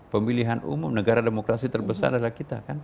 pemilihan umum negara demokrasi terbesar adalah kita kan